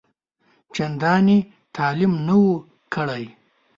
چنداني تعلیم نه وو کړی.